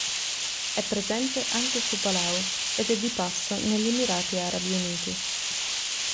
È presente anche su Palau ed è di passo negli Emirati Arabi Uniti.